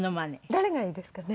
誰がいいですかね？